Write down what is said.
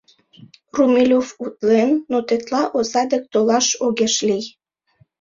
Румелёв утлен, но тетла оза дек толаш огеш лий.